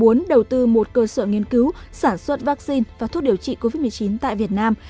muốn đầu tư một cơ sở nghiên cứu sản xuất vaccine và thuốc điều trị covid một mươi chín tại việt nam